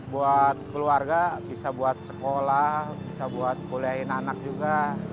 buat keluarga bisa buat sekolah bisa buat kuliahin anak juga